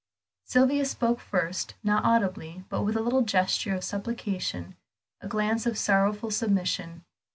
Sylvia spoke first, not audibly, but with a little gesture of supplication, a glance of sorrowful submission.